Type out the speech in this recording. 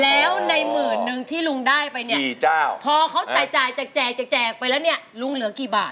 แล้วในหมื่นนึงที่ลุงได้ไปเนี่ยพอเขาจ่ายแจกแจกไปแล้วเนี่ยลุงเหลือกี่บาท